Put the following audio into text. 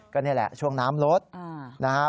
ก็นี่แหละช่วงน้ำลดนะครับ